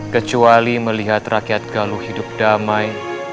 kecuali melihat rakyat galuh hidup damai